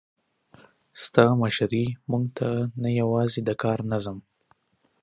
ستا مشري موږ ته نه یوازې د کار نظم،